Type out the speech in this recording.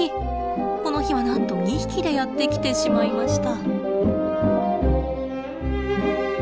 この日はなんと２匹でやって来てしまいました。